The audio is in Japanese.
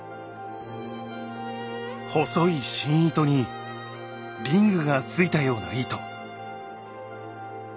細い芯糸にリングがついたような糸。